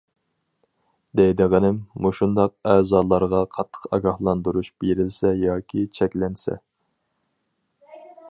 دەيدىغىنىم: مۇشۇنداق ئەزالارغا قاتتىق ئاگاھلاندۇرۇش بېرىلسە ياكى چەكلەنسە.